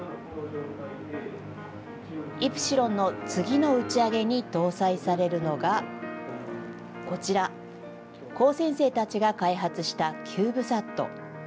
イプシロンの次の打ち上げに搭載されるのが、こちら、高専生たちが開発したキューブサット。